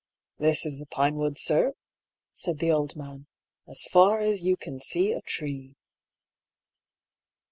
" This is the Pinewood, sir," said the old man ;" as far as you can see a tree."